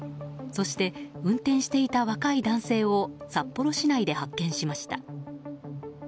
そして、運転していた若い男性を札幌市内で発見しました。